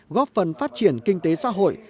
góp phần phát triển kinh tế xã hội